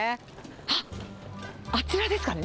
あっ、あちらですかね。